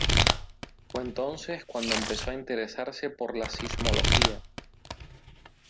Fue entonces cuando empezó a interesarse por la sismología.